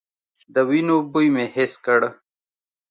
د وينو بوی مې حس کړ.